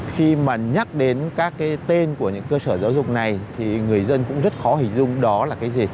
khi mà nhắc đến các cái tên của những cơ sở giáo dục này thì người dân cũng rất khó hình dung đó là cái gì